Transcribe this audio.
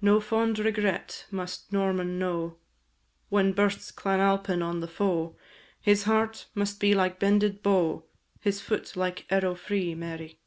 No fond regret must Norman know; When bursts Clan Alpine on the foe, His heart must be like bended bow, His foot like arrow free, Mary.